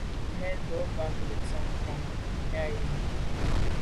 Mbèn ndo’ mba netsham nka menya yi.